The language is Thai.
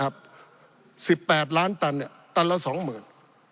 ปี๑เกณฑ์ทหารแสน๒